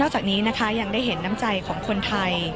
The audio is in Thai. จากนี้นะคะยังได้เห็นน้ำใจของคนไทย